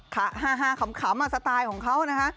ขาฮาขำสไตล์ของเขานะคะ